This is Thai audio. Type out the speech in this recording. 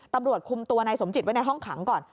ตำรวจคุมตัวนายสมจิตไว้ในห้องขังก่อน